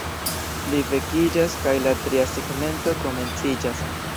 Li vekiĝas kaj la tria segmento komenciĝas.